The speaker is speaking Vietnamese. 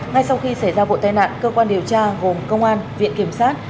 ngay sau khi xảy ra vụ tai nạn cơ quan điều tra gồm công an viện kiểm sát